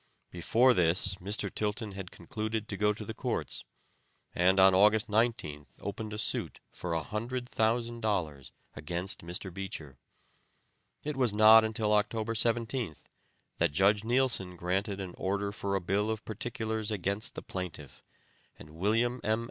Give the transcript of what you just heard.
Before this Mr. Tilton had concluded to go to the courts, and on August 19th opened a suit for $100,000 against Mr. Beecher. It was not until October 17th that Judge Neilson granted an order for a bill of particulars against the plaintiff, and William M.